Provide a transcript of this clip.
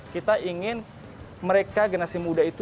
kita ingin mereka generasi muda itu